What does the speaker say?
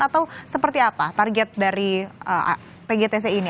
atau seperti apa target dari pgtc ini